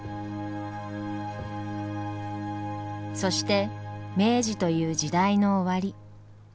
そして明治という時代の終わり。